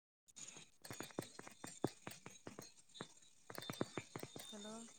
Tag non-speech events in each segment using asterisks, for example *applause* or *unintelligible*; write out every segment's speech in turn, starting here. *inaudible* hello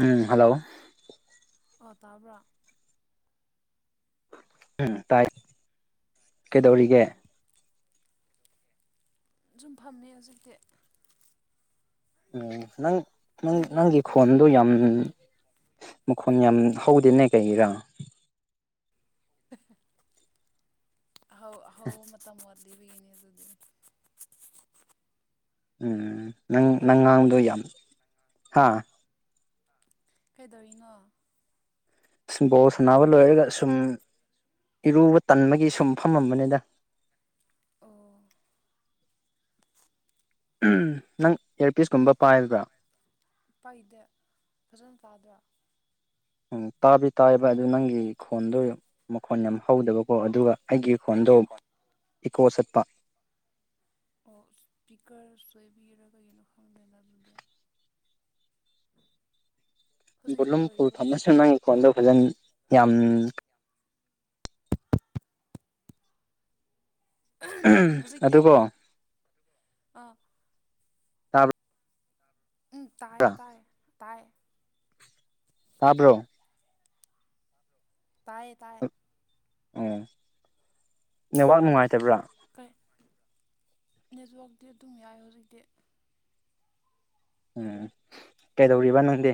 ꯎꯝ hello ꯑꯣ ꯇꯥꯕ꯭ꯔꯥ ꯎꯝ ꯇꯥꯏ ꯀꯩꯗꯧꯔꯤꯒꯦ ꯑꯣ ꯁꯨꯝ ꯐꯝꯃꯤ ꯍꯧꯖꯤꯛꯇꯤ ꯎꯝ ꯅꯪꯪ ꯅꯪꯗꯤ ꯅꯪꯒꯤ ꯈꯣꯟꯗꯣ ꯌꯥꯝ ꯃꯈꯣꯟ ꯌꯥꯝ ꯍꯧꯗꯦꯅꯦ ꯀꯩꯒꯤꯔꯥ ꯍꯧ ꯍꯧ ꯃꯇꯝ ꯋꯥꯠꯂꯤꯕꯒꯤꯅꯤ ꯑꯗꯨꯗꯤ ꯎꯝ ꯅꯪ ꯅꯪ ꯀꯩꯗꯧꯔꯤꯅꯣ ꯉꯥꯡꯗꯣ ꯅꯪꯗꯤ ꯌꯥꯝ ꯍꯥ ꯀꯩꯗꯧꯔꯤꯅꯣ ꯁꯨꯝ ꯕꯣꯜ ꯁꯅꯥꯕ ꯂꯣꯏꯔꯒ ꯁꯨꯝ ꯏꯔꯨꯕ ꯇꯟꯕꯒꯤ ꯁꯨꯝ ꯐꯝꯃꯝꯕꯅꯤꯗ ꯑꯣ ꯎꯝ ꯅꯪ ꯏꯌꯥꯔꯄꯤꯁꯀꯨꯝꯕ ꯄꯥꯏꯕ꯭ꯔꯥ ꯄꯥꯏꯗꯦ ꯐꯖꯅ ꯇꯥꯗꯔꯣ ꯎꯝ ꯇꯥꯕꯨꯗꯤ ꯇꯥꯏꯌꯦꯕ ꯑꯗꯨ ꯅꯪꯒꯤ ꯈꯣꯟꯗꯣ ꯃꯈꯣꯟ ꯌꯥꯝ ꯍꯧꯗꯕꯀꯣ ꯑꯗꯨꯒ ꯑꯩꯒꯤ ꯈꯣꯟꯗꯣ ꯏꯀꯣ ꯆꯠꯄ ꯑꯣ ꯁꯄꯤꯀ꯭ꯔ ꯁꯣꯏꯕꯤꯔꯒ ꯀꯩꯒꯤꯅꯣ ꯈꯪꯗꯦꯅꯦ ꯑꯗꯨꯗꯤ *inaudible* ꯍꯧꯖꯤꯛꯁꯨ ꯕꯣꯠꯂꯨꯝ ꯐꯨꯜ ꯇꯧꯔꯤꯕ꯭ꯔꯥ ꯊꯝꯃꯁꯅꯨ ꯀꯣꯟꯗꯣ ꯐꯖꯅ ꯌꯥꯝ ꯑꯍꯝ ꯍꯧꯖꯤꯛꯇꯤ ꯑꯗꯨꯀꯣ ꯑ ꯇꯥꯕ ꯎꯝ ꯇꯥꯏꯌꯦ ꯇꯥꯏ ꯇꯥꯏ ꯇꯥꯕ꯭ꯔꯣ ꯇꯥꯏꯌꯦ ꯇꯥꯏꯌꯦ ꯑꯣ ꯅꯦꯠꯋꯥꯛ ꯅꯨꯡꯉꯥꯏꯇꯕ꯭ꯔꯥ ꯀꯩ ꯅꯦꯠꯋꯥꯛꯇꯤ ꯑꯗꯨꯝ ꯌꯥꯏ ꯍꯧꯖꯤꯛꯇꯤ ꯎꯝ ꯀꯩꯗꯧꯔꯤꯕ ꯅꯪꯗꯤ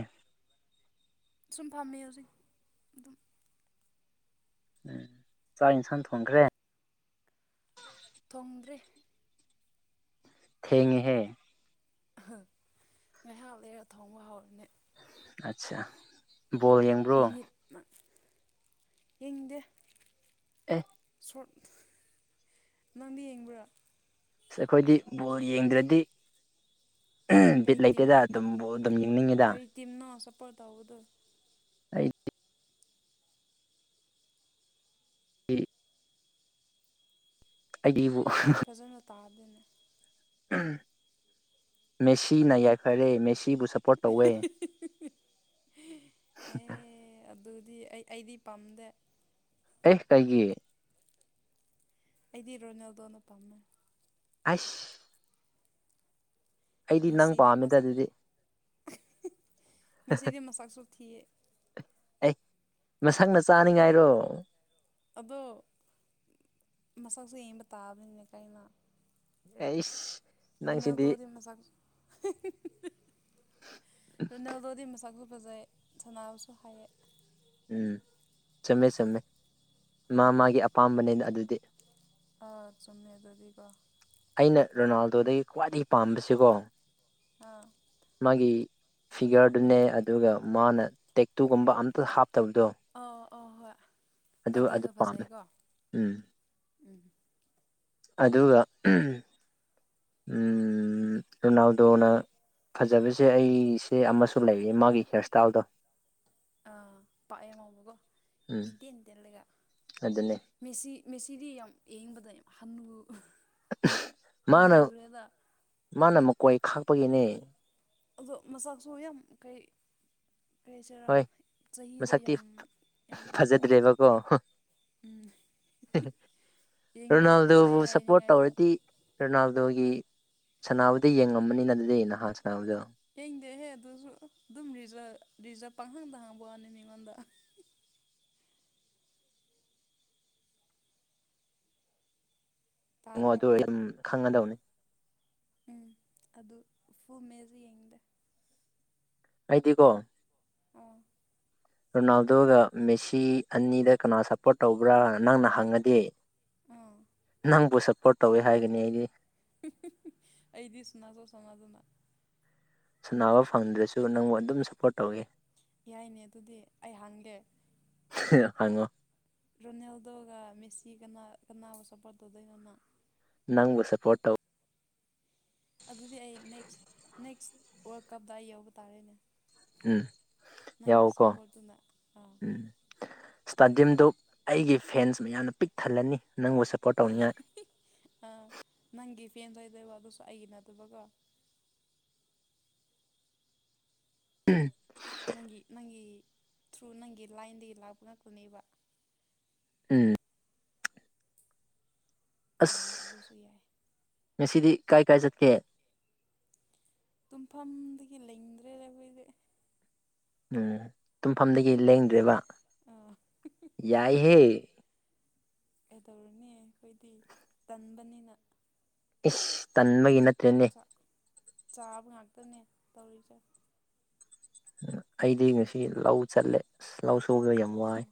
ꯁꯨꯝ ꯐꯝꯃꯦ ꯍꯧꯖꯤꯛ ꯑꯗꯨꯝ ꯎꯝ ꯆꯥꯛ ꯌꯦꯟꯁꯥꯡ ꯊꯣꯡꯈ꯭ꯔꯦ ꯊꯣꯡꯗ꯭ꯔꯤ ꯊꯦꯡꯉꯦꯍꯦ ꯑꯍꯥ ꯉꯥꯏꯍꯥꯛ ꯂꯩꯔ ꯊꯣꯡꯕ ꯍꯧꯔꯅꯤ ꯑꯠꯆꯥ ꯕꯣꯜ ꯌꯦꯡꯕ꯭ꯔꯣ ꯃꯤꯅꯤꯠ ꯌꯦꯡꯗꯦ ꯑꯦ ꯁꯣꯔꯠ ꯅꯪꯗꯤ ꯌꯦꯡꯕ꯭ꯔꯥ ꯑꯩꯈꯣꯏꯗꯤ ꯕꯣꯜ ꯌꯦꯡꯗ꯭ꯔꯗꯤ ꯍꯝ ꯕꯤꯠ ꯀꯩ ꯇꯤꯝ ꯂꯩꯇꯦꯗ ꯑꯗꯨꯝ ꯕꯣꯜ ꯑꯗꯨꯝ ꯌꯦꯡꯅꯤꯡꯉꯤꯗ ꯄ ꯇꯧꯕꯗꯨ ꯑꯩ ꯒꯤ ꯑꯩꯗꯤꯕꯨ ꯐꯖꯅ ꯇꯥꯗꯦꯅꯦ ꯑꯝ ꯃꯦꯁꯤꯅ ꯌꯥꯏꯐꯔꯦ ꯃꯦꯁꯤ ꯁꯤꯕꯨ ꯁꯞꯄꯣꯔꯠ ꯇꯧꯋꯦ ꯗꯤ ꯑꯩ ꯑꯩꯗꯤ ꯄꯥꯝꯗꯦ ꯑꯦ ꯀꯩꯒꯤ ꯑꯩꯗꯤ ꯔꯣꯅꯥꯜꯗꯣꯅ ꯄꯥꯝꯃꯦ ꯍꯩꯁ ꯃꯦꯁꯤꯗꯤ ꯄꯥꯝꯃꯦꯗ ꯃꯁꯛ ꯑꯗꯨꯗꯤ ꯃꯦꯁꯤꯗꯤ ꯃꯁꯛꯁꯨ ꯊꯤꯌꯦ ꯑꯦ ꯃꯁꯛꯅ ꯆꯥꯅꯤꯡꯉꯥꯏꯔꯣ ꯑꯗꯣ ꯃꯁꯛꯁꯨ ꯌꯦꯕ ꯇꯥꯕꯅꯤꯅꯦ ꯀꯥꯏꯩꯅ ꯑꯩꯁ ꯅꯪꯁꯤꯗꯤ ꯔꯣꯅꯥꯜꯗꯣꯗꯤ ꯃꯁꯛ ꯔꯣꯅꯥꯜꯗꯣꯗꯤ ꯃꯁꯛꯁꯨ ꯐꯖꯩ ꯁꯟꯅꯥꯕꯁꯨ ꯍꯩꯌꯦ ꯎꯝ ꯆꯨꯝꯃꯦ ꯆꯨꯝꯃꯦ ꯃꯥ ꯎꯝ ꯃꯥꯒꯤ ꯑꯄꯥꯝꯕꯅꯤꯅ ꯑꯗꯨꯗꯤ ꯑꯥ ꯆꯨꯝꯃꯦ ꯑꯗꯨꯗꯤꯀꯣ ꯑꯩꯅ ꯔꯣꯅꯥꯜꯗꯣꯗꯒꯤ ꯈ꯭ꯋꯥꯏꯗꯒꯤ ꯄꯥꯕꯁꯤꯀꯣ ꯑꯥ ꯃꯥꯒꯤ ꯐꯤꯒꯔꯗꯨꯅꯦ ꯑꯗꯨꯒ ꯃꯥꯅ ꯇꯦꯛꯇꯨꯒꯨꯝꯕ ꯑꯝꯇ ꯍꯥꯞ ꯑꯥ ꯑꯥ ꯍꯣꯢ ꯑꯗꯨ ꯕꯗꯤꯗꯣ ꯑꯗꯨ ꯄꯥꯝꯃꯦ ꯐꯖꯩꯀꯣ ꯎꯝ ꯎꯝ ꯑꯗꯨꯒ ꯑꯝꯝ ꯔꯣꯅꯥꯜꯗꯣꯅ ꯐꯖꯕꯁꯦ ꯑꯩꯁꯦ ꯑꯃꯁꯨ ꯂꯩꯌꯦ ꯃꯥꯒꯤ ꯍꯤꯌꯥꯔ ꯁ꯭ꯇꯥꯏꯜꯗꯣ ꯑꯥ ꯄꯥꯛꯑꯦ ꯎꯝ *unintelligible* ꯏꯇꯦꯟ ꯇꯦꯜꯂꯒ ꯑꯗꯨꯅꯦ ꯃꯦꯁꯤ ꯃꯦꯁꯤꯗꯤ ꯌꯥꯝ ꯌꯦꯡꯕꯗ ꯌꯥꯝ ꯍꯅꯨ ꯃꯥꯅ ꯍꯟꯅꯨꯔꯦꯒ ꯃꯥꯅ ꯃꯀꯣꯏ ꯈꯥꯛꯄꯒꯤꯅꯦ ꯑꯗꯣ ꯃꯁꯥꯁꯨ ꯌꯥꯝ ꯀꯩ ꯀꯩ ꯍꯥꯏꯁꯤꯔ ꯍꯣꯏ ꯆꯍꯤꯗꯣ ꯃꯁꯛꯇꯤ ꯌꯥꯝ ꯌꯥꯝꯕꯒꯤ ꯇꯥꯏꯞꯇ ꯎꯝ ꯍꯦꯍꯦ ꯌꯦꯡꯕꯗ ꯐꯖꯩ ꯔꯣꯅꯥꯜꯗꯣꯕꯨ ꯁꯞꯄꯣꯔꯠ ꯍꯥꯏꯅꯤꯡꯉꯥꯏꯗꯣ ꯇꯧꯔꯗꯤ ꯔꯣꯅꯥꯜꯗꯣꯒꯤ ꯁꯥꯟꯅꯥꯕꯗꯤ ꯌꯦꯡꯉꯝꯃꯅꯤꯅ ꯑꯗꯨꯗꯤ ꯅꯍꯥꯟ ꯁꯥꯟꯅꯕꯗꯣ ꯌꯦꯡꯗꯦꯍꯦ ꯑꯗꯨꯁꯨ ꯑꯗꯨꯁꯨ ꯔꯤꯖꯜ ꯔꯤꯖꯥꯜ ꯄꯪꯍꯪꯗ ꯍꯥꯡꯕ ꯋꯥꯅꯤ ꯃꯤꯉꯣꯟꯗ ꯌꯦꯡꯉꯣ ꯇꯥꯗ꯭ꯔꯣ ꯑꯗꯨ ꯑꯣꯏꯗꯤ ꯎꯝ ꯑꯥ ꯈꯪꯉꯗꯧꯅꯤ ꯎꯝ ꯑꯗꯨ ꯐꯨꯜ ꯃꯦꯖ ꯌꯦꯡꯅꯤꯡꯗꯦ ꯑꯩꯗꯤꯀꯣ ꯑꯣ ꯔꯣꯅꯥꯜꯗꯣꯒ ꯃꯦꯁꯤ ꯑꯅꯤꯗ ꯀꯅꯥ ꯁꯞꯄꯣꯔꯠ ꯇꯧꯕ꯭ꯔꯥ ꯅꯪꯅ ꯍꯪꯉꯗꯤ ꯑꯥ ꯅꯪꯕꯨ ꯁꯞꯄꯣꯔꯠ ꯇꯧꯋꯦ ꯍꯥꯏꯒꯅꯤ ꯑꯩꯗꯤ ꯑꯩꯗꯤ ꯁꯥꯅꯁꯨ ꯁꯥꯅꯗꯅ ꯁꯥꯟꯅꯕ ꯐꯪꯗ꯭ꯔꯁꯨ ꯅꯪꯕꯨ ꯑꯗꯨꯝ ꯁꯞꯄꯣꯔꯠ ꯇꯧꯒꯦ ꯌꯥꯏꯅꯦ ꯑꯗꯨꯗꯤ ꯑꯩ ꯍꯟꯒꯦ ꯍꯪꯉꯣ ꯔꯣꯅꯦꯜꯗꯣꯒ ꯃꯦꯁꯤꯒꯅ ꯀꯅꯥꯕꯨ ꯁꯞꯄꯣꯔꯠ ꯇꯧꯗꯣꯏꯅꯣ ꯅꯪ ꯅꯪꯕꯨ ꯁꯄꯣꯔꯠ ꯇꯧ ꯑꯗꯨꯗꯤ ꯑꯩ ꯅꯦꯛꯁ ꯅꯦꯛꯁ ꯋꯥꯔꯜ ꯀꯞꯇ ꯑꯩ ꯌꯥꯎꯕ ꯇꯥꯔꯦꯅꯦ ꯎꯝ ꯅꯪꯒꯤ ꯌꯥꯎꯀꯣ ꯁꯄꯣꯔꯠꯗꯨꯅ ꯑꯥ ꯎꯝ ꯏꯁꯇꯥꯗꯤꯌꯝꯗꯨ ꯑꯩꯒꯤ ꯐꯦꯟꯁ ꯃꯌꯥꯝꯅ ꯄꯤꯛ ꯊꯜꯂꯅꯤ ꯅꯪꯕꯨ ꯁꯄꯣꯔꯠ ꯑꯦ ꯇꯩꯅꯤꯉꯥꯏ ꯑꯥ *unintelligible* ꯑꯗꯨꯁꯨ ꯑꯩꯒꯤ ꯅꯠꯇꯕꯀꯣ ꯎꯝ ꯅꯪꯒꯤ ꯅꯪꯒꯤ ꯊ꯭ꯔꯨ ꯅꯪꯒꯤ ꯂꯥꯏꯟꯗꯒꯤ ꯂꯥꯛꯄ ꯉꯥꯛꯇꯅꯦꯕ ꯎꯝ ꯑꯁ ꯌꯥꯏ ꯑꯗꯁꯨ ꯌꯥꯏ ꯉꯁꯤꯗꯤ ꯀꯥꯏ ꯀꯥꯏ ꯆꯠꯀꯦ ꯇꯨꯝꯐꯝꯗꯒꯤ ꯂꯩꯡꯗ꯭ꯔꯦꯗ ꯑꯈꯣꯏꯗꯤ ꯎꯝ ꯇꯨꯝꯐꯝꯗꯒꯤ ꯂꯦꯡꯗ꯭ꯔꯦꯕ ꯑꯥ ꯌꯥꯏꯍꯦ ꯀꯩꯗꯧꯔꯨꯅꯤ ꯑꯈꯣꯏꯗꯤ ꯇꯟꯕꯅꯤꯅ ꯏꯁ ꯇꯟꯕꯒꯤ ꯅꯠ ꯆꯛ ꯆꯥꯕ ꯉꯛꯇꯅꯦ ꯇꯧꯔꯤꯖꯦ ꯑꯩꯗꯤ ꯉꯁꯤ ꯂꯧ ꯆꯠꯂꯦ ꯑꯁ ꯂꯧ ꯁꯨꯕꯗꯣ ꯌꯥꯝ ꯑꯣ ꯋꯥꯏ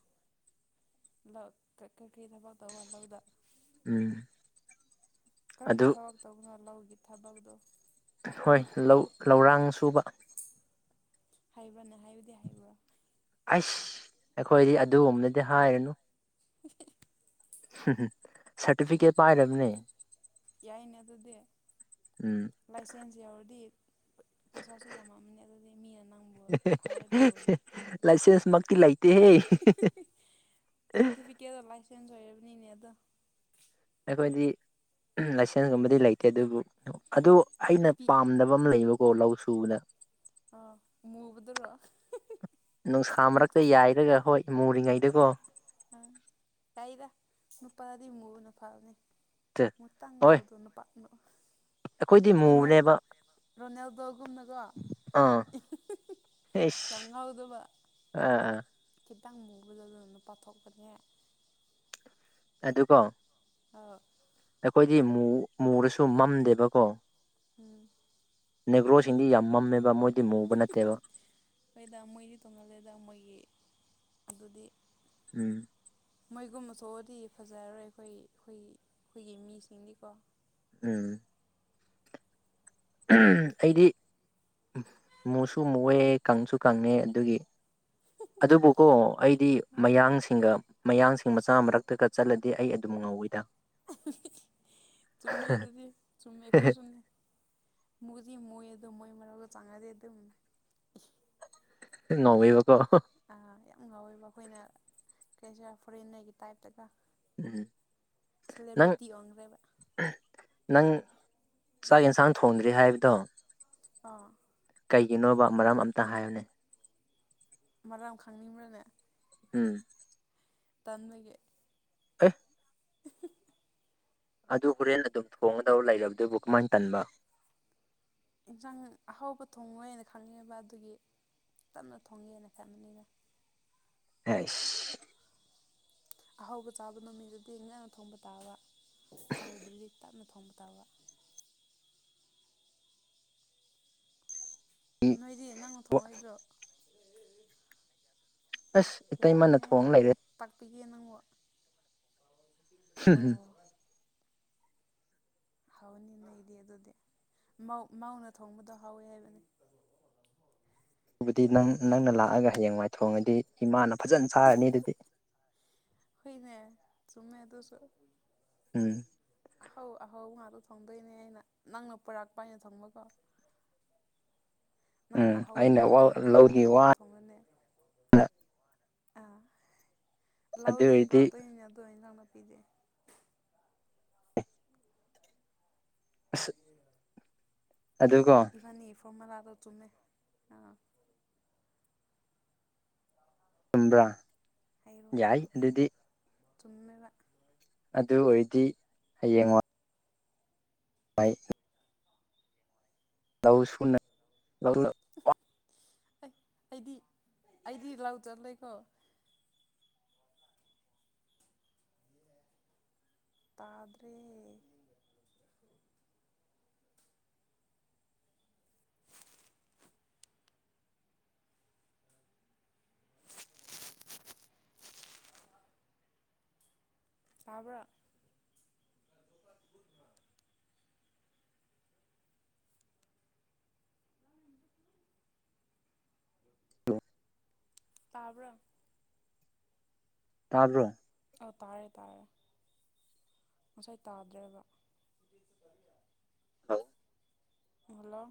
ꯂꯧ ꯀꯩ ꯀꯩ ꯊꯕꯛ ꯇꯧꯕ ꯂꯧꯗ ꯎꯝ ꯀꯔꯝꯕ ꯑꯗꯨ ꯊꯕꯛ ꯇꯧꯕꯅꯣ ꯂꯧꯒꯤ ꯊꯕꯛꯗꯣ ꯍꯣꯏ ꯂꯧ ꯂꯧꯔꯥꯡ ꯁꯨꯕ ꯍꯩꯕ꯭ꯔꯥꯅꯦ ꯍꯩꯕꯗꯤ ꯍꯩꯕ꯭ꯔꯥ ꯑꯁ ꯑꯈꯣꯏꯗꯤ ꯑꯗꯨꯒꯨꯝꯕꯗꯗꯤ ꯍꯥꯏꯒꯅꯨ *inaudible* ꯍꯝ ꯍꯝ ꯁ꯭ꯔꯇꯤꯐꯤꯀꯦꯠ ꯄꯥꯏꯔꯕꯅꯦ ꯌꯥꯏꯅꯦ ꯑꯗꯨꯗꯤ ꯎꯝ ꯂꯥꯏꯁꯦꯟꯁ ꯌꯥꯎꯔꯗꯤ ꯄꯩꯁꯥꯁꯨ ꯌꯥꯝꯃꯝꯃꯅꯤ ꯑꯗꯨꯗꯤ ꯃꯤꯅ ꯅꯪꯕꯨ ꯍꯥꯏꯌꯔ ꯇꯧꯕꯗꯣ ꯂꯥꯏꯁꯦꯟꯁ ꯃꯛꯇꯤ ꯂꯩꯇꯦꯍꯦ ꯁꯥꯔꯇꯤꯐꯤꯀꯦꯠ ꯂꯥꯏꯁꯦꯟꯁ ꯑꯣꯏꯔꯕꯅꯤꯅꯦ ꯑꯗꯣ ꯑꯩꯈꯣꯏꯗꯤ ꯂꯥꯏꯁꯦꯟꯁꯀꯨꯝꯕꯗꯤ ꯂꯩꯇꯦ ꯑꯗꯨꯕꯨ ꯑꯗꯨ ꯑꯩꯅ ꯄꯤ ꯄꯥꯝꯗꯕ ꯑꯃ ꯂꯩꯕꯀꯣ ꯂꯧ ꯁꯨꯕꯅ ꯑꯥ ꯃꯨꯕꯗꯨꯔꯣ ꯅꯨꯡꯁꯥ ꯃꯔꯛꯇ ꯃꯨꯊꯣꯛꯄ ꯌꯥꯏꯔꯒ ꯍꯣꯏ ꯃꯨꯔꯤꯉꯩ ꯗꯤꯀꯣ ꯑꯥ ꯀꯥꯏꯗ ꯅꯨꯄꯥꯗꯤ ꯃꯨꯕꯅ ꯐꯕꯅꯤ ꯃꯇꯥꯡ ꯍꯣꯏ ꯇꯧꯗꯣ ꯅꯨꯄꯥꯥ ꯅꯨ ꯑꯩꯈꯣꯏꯗꯤ ꯔꯣꯅꯦꯜ ꯃꯨꯕꯅꯦꯕ ꯔꯣꯅꯦꯜꯗꯣꯒꯨꯝꯅꯀꯣ ꯌꯥꯝ ꯏꯁ ꯉꯥꯎꯗꯕ ꯑꯥ ꯑꯥ ꯈꯤꯇꯪ ꯃꯨꯕ ꯑꯗꯣꯅ ꯅꯨꯄꯥꯊꯣꯛꯄꯅꯦ ꯑꯗꯨꯀꯣ ꯑꯧ ꯑꯩꯈꯣꯏꯗꯤ ꯃꯨ ꯃꯨꯔꯁꯨ ꯃꯝꯗꯦꯕꯀꯣ ꯎꯝ ꯅꯦꯒ꯭ꯔꯣꯁꯤꯡꯗꯤ ꯌꯥꯝ ꯃꯝꯃꯦꯕ ꯃꯣꯏ ꯍꯤ ꯍꯤ ꯍꯤ ꯍꯣꯏꯗ ꯃꯣꯏꯗꯤ ꯇꯣꯡꯉꯜꯂꯦꯗ ꯃꯣꯏꯒꯤ ꯑꯗꯨꯗꯤ ꯎꯝ ꯃꯣꯏꯒꯨꯝꯕ ꯊꯣꯛꯑꯗꯤ ꯐꯖꯔꯔꯣꯏ ꯑꯩꯈꯣꯏ ꯑꯩꯈꯣꯏꯒꯤ ꯃꯤꯁꯤꯡꯗꯤꯀꯣ ꯎꯝ ꯎꯝ ꯑꯩꯗꯤ ꯃꯨꯁꯨ ꯃꯨꯑꯦ ꯀꯪꯁꯨ ꯀꯪꯉꯦ ꯑꯗꯨꯒꯤ ꯑꯗꯨꯕꯨꯀꯣ ꯑꯩꯗꯤ ꯑꯥ ꯃꯌꯥꯡꯁꯤꯡꯒ ꯃꯌꯥꯡꯁꯤꯡ ꯃꯆꯥ ꯃꯔꯛꯇꯒ ꯆꯠꯂꯗꯤ ꯑꯩ ꯑꯗꯨꯝ ꯉꯧꯋꯤꯗ ꯆꯨꯝꯃꯦ ꯑꯗꯨꯗꯤ ꯆꯨꯝꯃꯦ ꯑꯩꯈꯣꯏꯁꯨꯅꯤ ꯃꯨꯗꯤ ꯃꯨꯏ ꯑꯗꯨ ꯃꯣꯏ ꯃꯔꯛꯇ ꯆꯡꯉꯗꯤ ꯑꯗꯨꯝ ꯉꯧꯋꯦꯕ ꯑꯥ ꯌꯥꯝ ꯉꯥꯎꯋꯦꯕ ꯑꯩꯈꯣꯏꯅ ꯀꯩꯔꯤ ꯍꯏꯁꯤꯔ ꯐꯣꯔꯦꯟꯅꯔꯒꯤ ꯇꯥꯏꯞꯇꯒ ꯎꯝ ꯅꯪ ꯁꯤꯂꯦꯕ꯭ꯔꯤꯇꯤ ꯑꯣꯟꯒ꯭ꯔꯦꯕ ꯅꯪ ꯆꯥꯛ ꯌꯦꯟꯁꯥꯡ ꯊꯣꯡꯗ꯭ꯔꯤ ꯍꯥꯏꯕꯗꯣ ꯑꯥ ꯀꯩꯒꯤꯅꯣꯕ ꯃꯔꯝ ꯑꯝꯇ ꯍꯥꯏꯌꯣꯅꯦ ꯃꯔꯝ ꯈꯪꯅꯤꯡꯕ꯭ꯔꯅꯦ ꯎꯝ ꯇꯥꯟꯕꯒꯤ ꯑꯦ ꯑꯗꯨ ꯍꯣꯔꯦꯟ ꯑꯗꯨꯝ ꯊꯣꯡꯒꯗꯧ ꯂꯩꯔꯕꯗꯨꯕꯨ ꯀꯃꯥꯏ ꯇꯟꯕ ꯏꯟꯁꯥꯡ ꯑꯍꯥꯎꯕ ꯊꯣꯡꯉꯣꯏ ꯍꯥꯏꯅ ꯈꯪꯉꯕ ꯑꯗꯨꯒꯤ ꯇꯞꯅ ꯊꯣꯡꯉꯦꯅ ꯈꯟꯕꯅꯤꯗ ꯑꯁ ꯑꯍꯥꯎꯕ ꯆꯥꯕ ꯅꯨꯃꯤꯠꯗꯨꯗꯤ ꯉꯥꯡꯅ ꯊꯣꯡꯕ ꯇꯥꯕ ꯍꯧꯗ꯭꯭ꯔꯗꯤ ꯇꯞꯅ ꯊꯣꯡꯕ ꯇꯥꯕ *inaudible* ꯅꯣꯏꯗꯤ ꯅꯪꯅ ꯊꯣꯡꯉꯣꯏꯕ꯭ꯔꯣ ꯑꯁ ꯏꯇꯩꯃꯅ ꯌꯥꯕꯅꯦꯍꯦ ꯊꯣꯡ ꯂꯩꯔꯦ ꯇꯥꯛꯄꯤꯛꯄꯤꯒꯦ ꯅꯪꯕꯣ ꯍꯨꯝ ꯍꯨꯝ ꯍꯥꯎꯅꯤ ꯅꯣꯢꯗꯤ ꯑꯗꯨꯗꯤ ꯃꯧꯅ ꯊꯣꯡꯕꯗꯣ ꯍꯥꯎꯋꯦ ꯍꯥꯏꯕꯅꯦ *inaudible* ꯑꯗꯨꯕꯨꯗꯤ ꯅꯪ ꯅꯪꯅ ꯂꯥꯛꯑꯒ ꯍꯌꯦꯡꯋꯥꯏ ꯊꯣꯡꯉꯗꯤ ꯏꯃꯥꯅ ꯐꯖꯅ ꯆꯥꯔꯅꯤ ꯑꯗꯨꯗꯤ ꯍꯣꯏꯅꯦ ꯆꯨꯝꯃꯦ ꯑꯗꯨꯁꯨ ꯎꯝ ꯑꯍꯧ ꯑꯍꯧ ꯉꯥꯛꯇ ꯊꯣꯡꯗꯣꯏꯅꯦ ꯑꯩꯅ ꯅꯪꯅ ꯄꯨꯔꯛꯄ ꯑꯩꯅ ꯊꯣꯡꯕꯀꯣ ꯅꯪꯅ ꯎꯝ ꯑꯍꯥꯎꯕ ꯑꯩꯅ ꯄꯨꯔꯛꯄ ꯋꯥ ꯅꯨꯃꯤꯗ ꯂꯧꯒꯤ ꯑꯍꯥꯎꯕ ꯋꯥꯅ ꯊꯣꯡꯗꯣꯢꯅꯦ ꯑꯗꯨ ꯂꯧꯗꯩ ꯄꯨꯔꯥꯛ ꯑꯣꯏꯔꯗꯤ ꯇꯣꯏꯅꯤꯅꯦ ꯑꯗꯣ ꯢꯖꯥꯡ ꯅꯥꯄꯤꯗꯤ ꯑꯁ ꯑꯗꯨꯀꯣ ꯐꯣꯔꯃꯨꯂꯥꯗꯨ ꯆꯨꯝꯃꯦ ꯑꯥ ꯆꯨꯝꯕ꯭ꯔꯥ ꯍꯩꯔꯣ ꯌꯥꯏ ꯍꯩꯔꯣ ꯑꯗꯨꯗꯤ ꯆꯨꯝꯃꯦꯕ ꯑꯗꯨ ꯑꯣꯏꯔꯗꯤ ꯍꯌꯦꯡꯉꯣ ꯑꯩ ꯂꯧ ꯁꯨꯅ *unintelligible* ꯑꯩ ꯑꯩꯗꯤ ꯑꯩꯗꯤ ꯂꯧ ꯆꯠꯂꯣꯢꯀꯣ ꯇꯥꯗ꯭ꯔꯦ ꯇꯕ꯭ꯔꯥ *unintelligible* ꯇꯥꯕ꯭ꯔꯣ ꯇꯕ꯭ꯔꯣ ꯑꯧ ꯇꯥꯔꯦ ꯇꯥꯔꯦ ꯉꯁꯥꯏ ꯇꯥꯗ꯭ꯔꯦꯕ ꯍꯜꯂꯣ ꯍꯜꯂꯣ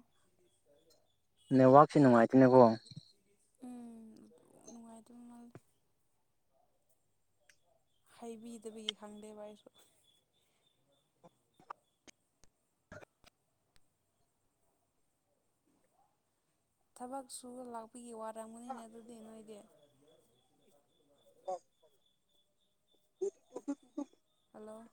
ꯅꯦꯠꯋꯥꯛꯁꯦ ꯅꯨꯡꯉꯥꯏꯇꯦꯅꯦꯀꯣ ꯎꯝ ꯑꯗꯨ ꯅꯨꯡꯉꯥꯏꯗꯧ ꯃꯥꯜꯂꯦ ꯍꯥꯏꯕꯤꯗꯕꯒꯤ ꯈꯪꯗꯦꯕ ꯑꯩꯁꯨ ꯊꯕꯛ ꯁꯨ ꯂꯥꯛꯄꯒꯤ ꯋꯥꯔꯝꯒꯅꯤꯅꯦ ꯑꯗꯨꯗꯤ ꯅꯣꯏꯗꯤ *unintelligible* ꯍꯜꯂꯣ